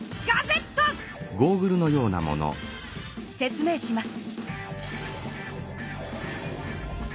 説明します。